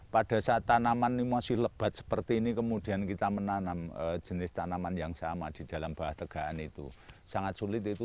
pada saat tanaman ini masih lebat seperti ini kemudian kita menanam jenis tanaman yang sama di dalam bahagian tegahan itu